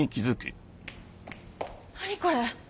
何これ？